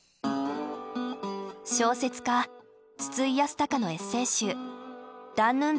小説家筒井康隆のエッセー集「ダンヌンツィオに夢中」。